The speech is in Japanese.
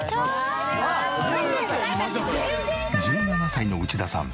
１７歳の内田さん